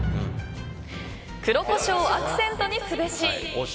黒コショウをアクセントにすべし。